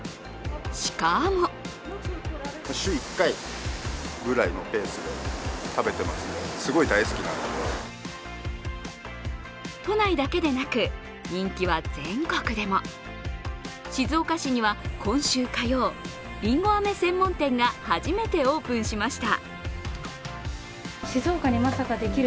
しかも都内だけでなく、人気は全国でも静岡市には今週火曜、りんご飴専門店が初めてオープンしました。